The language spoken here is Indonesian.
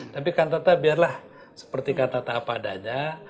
tapi kantata biarlah seperti kantata apa adanya